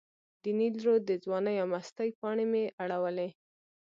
د نیل رود د ځوانۍ او مستۍ پاڼې مې اړولې.